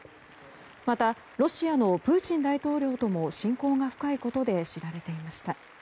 またロシアのプーチン大統領とも親交が深いことで知られていました。